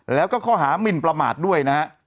แล้วก็ข้อหามิลประมาทด้วย